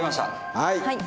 はい。